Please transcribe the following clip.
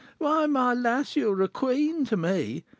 Why, my lass, you were a queen to me!